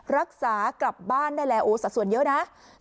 รักษากลับบ้านได้แหล่อุสัตว์ส่วนเยอะนะ